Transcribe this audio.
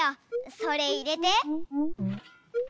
それいれて。